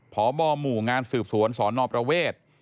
พบหมู่งานสืบสวนสนประเวท